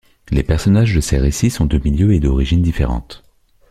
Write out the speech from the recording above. Les personnages de ces récits sont de milieux et d'origines différentes.